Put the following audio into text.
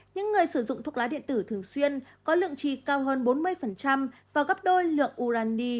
những người sử dụng thuốc lá điện tử thường xuyên có lượng trì cao hơn bốn mươi và gấp đôi lượng urani